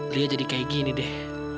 dia jadi kayak gini deh